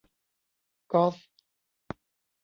ก๊อซ